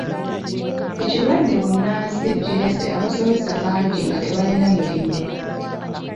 Ekirwadde bbunansi kirese abasomesa bangi nga tebalina mirimu.